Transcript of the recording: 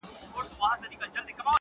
سره خپل به د عمرونو دښمنان سي!